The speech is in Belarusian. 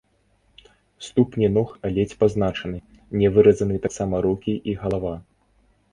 Ступні ног ледзь пазначаны, не выразаны таксама рукі і галава.